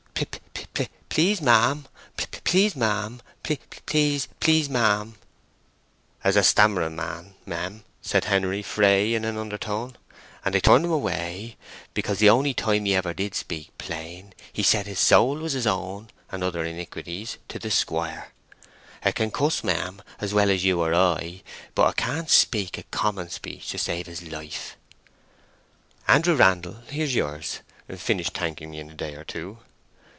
"P p p p p pl pl pl pl l l l l ease, ma'am, p p p p pl pl pl pl please, ma'am please'm please'm—" "'A's a stammering man, mem," said Henery Fray in an undertone, "and they turned him away because the only time he ever did speak plain he said his soul was his own, and other iniquities, to the squire. 'A can cuss, mem, as well as you or I, but 'a can't speak a common speech to save his life." "Andrew Randle, here's yours—finish thanking me in a day or two.